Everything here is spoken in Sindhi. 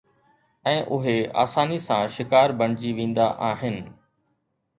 ۽ اهي آساني سان شڪار بڻجي ويندا آهن.